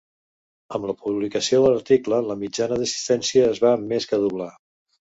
Amb la publicació de l'article, la mitjana d'assistència es va més que doblar.